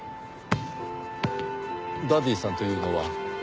ダディさんというのは？